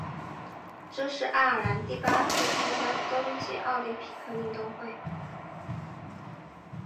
这是爱尔兰第八次参加冬季奥林匹克运动会。